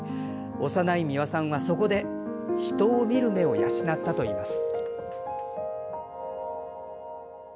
幼い美輪さんは、そこで人を見る目を養ったといいます。